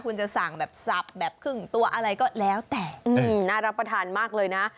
คุณจะสั่งแบบสับแบบครึ่งตัวอะไรก็แล้วแต่น่ารับประทานมากเลยนะ